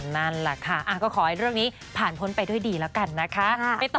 นั่นแหละค่ะก็ขอให้เรื่องนี้ผ่านพ้นไปด้วยดีแล้วกันนะคะ